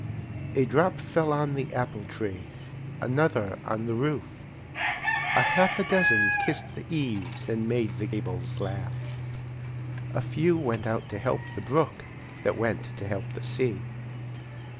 A drop fell on the apple tree, Another on the roof; A half a dozen kissed the eaves, And made the gables laugh. A few went out to help the brook, That went to help the sea.